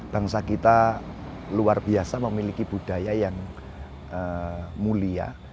bangsa kita luar biasa memiliki budaya yang mulia